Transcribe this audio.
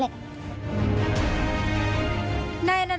เปิดมานานกว่า๒๐ปีแล้ว